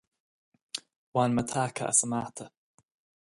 Bhain mé taca as an bhata.